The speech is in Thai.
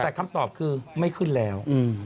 แต่คำตอบคือไม่ขึ้นแล้ว